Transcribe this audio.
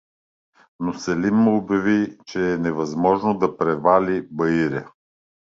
Но Селим му обяви, че е невъзможно да превали баиря.